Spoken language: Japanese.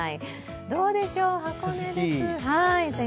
どうでしょう、箱根です。